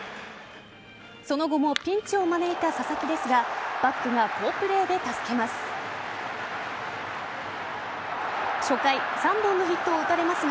その後もピンチを招いた佐々木ですがバックが好プレーで助けます。